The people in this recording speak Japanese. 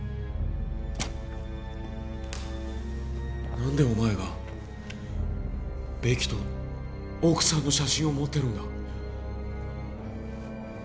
何でお前がベキと奥さんの写真を持ってるんだ？